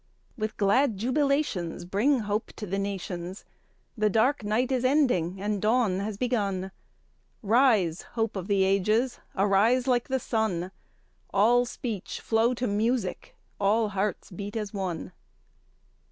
With glad jubilations Bring hope to the nations The dark night is ending and dawn has begun Rise, hope of the ages, arise like the sun, All speech flow to music, all hearts beat as one!